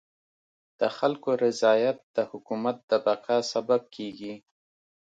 د خلکو رضایت د حکومت د بقا سبب کيږي.